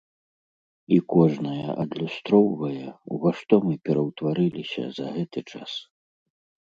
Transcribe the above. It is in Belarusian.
І кожная адлюстроўвае, у ва што мы пераўтварыліся за гэты час.